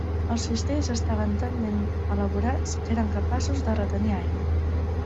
Els cistells estaven tan ben elaborat que eren capaços de retenir aigua.